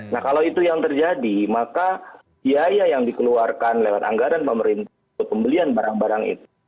nah kalau itu yang terjadi maka biaya yang dikeluarkan lewat anggaran pemerintah untuk pembelian barang barang itu